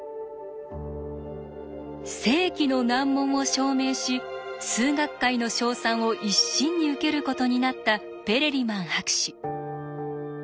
世紀の難問を証明し数学界の称賛を一身に受けることになったペレリマン博士。